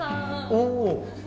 おお！